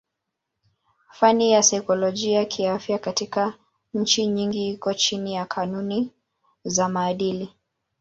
Fani ya saikolojia kiafya katika nchi nyingi iko chini ya kanuni za maadili.